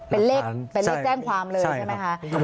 เป็นเลขแจ้งความเลยใช่ไหมคะ